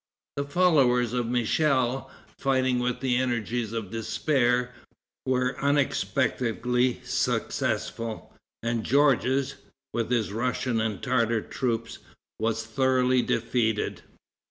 The followers of Michel, fighting with the energies of despair, were unexpectedly successful, and Georges, with his Russian and Tartar troops, was thoroughly defeated.